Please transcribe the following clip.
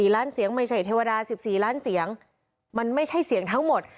ล้านเสียงไม่ใช่เทวดา๑๔ล้านเสียงมันไม่ใช่เสียงทั้งหมด